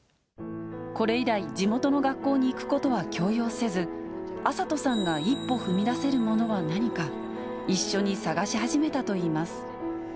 これ以来、地元の学校に行くことは強要せず、暁里さんが一歩踏み出せるものは何か、一緒に探し始めたといいます。